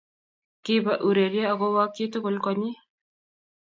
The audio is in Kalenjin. kibe urerie ak kowok chii tugul konyii